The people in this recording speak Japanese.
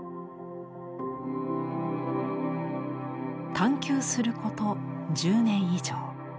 探求すること１０年以上。